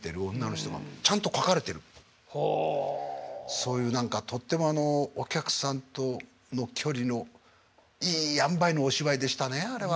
そういう何かとってもあのお客さんとの距離のいいあんばいのお芝居でしたねあれは。